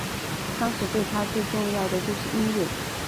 当时对他最重要的就是音乐。